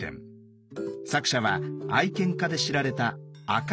作者は愛犬家で知られた暁鐘